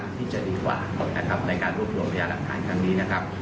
ทำงานไม่นานนะครับ